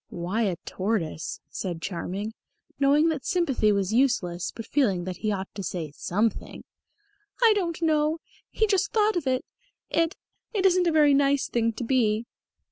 "Why a tortoise?" said Charming, knowing that sympathy was useless, but feeling that he ought to say something. "I don't know. He just thought of it. It it isn't a very nice thing to be."